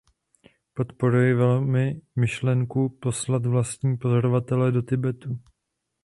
Podporuji velmi myšlenku poslat vlastní pozorovatele do Tibetu.